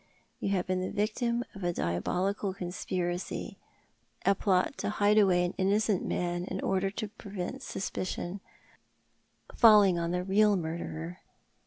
You have been the victim of a diabolical conspiracy — a plot to hide away an innocent man in order to prevent suspicion falling on the real murderer."